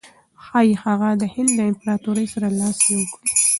ښایي هغه د هند له امپراطور سره لاس یو کړي.